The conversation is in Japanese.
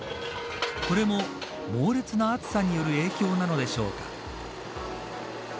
これも、猛烈な暑さによる影響なのでしょうか。